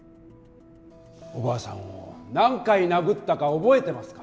おばあさんを何回殴ったか覚えてますか？